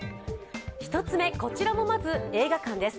１つ目、こちらもまず映画館です。